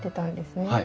はい。